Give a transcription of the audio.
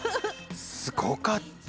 すごかった。